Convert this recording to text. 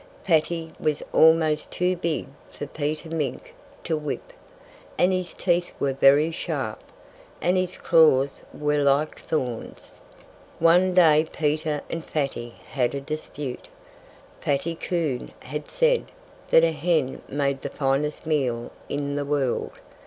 Fatty was almost too big for Peter Mink to whip. And his teeth were very sharp. And his claws were like thorns. One day Peter and Fatty had a dispute. Fatty Coon had said that a hen made the finest meal in the world.